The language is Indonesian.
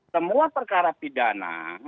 semua perkara pidana